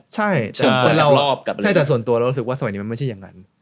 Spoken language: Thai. ใช่แต่ส่วนตัวเรารู้สึกว่าสมัยนี้มันไม่ใช่อย่างนั้น